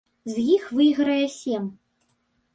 З іх выйграе сем.